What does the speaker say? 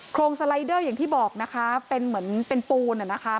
โครงสไลเดอร์อย่างที่บอกนะคะเป็นเหมือนเป็นปูนนะคะ